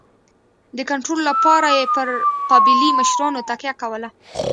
د کنټرول لپاره یې پر قبایلي مشرانو تکیه کوله.